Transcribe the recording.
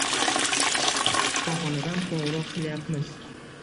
— Shifoxonadan qo‘ng‘iroq qilyapmiz…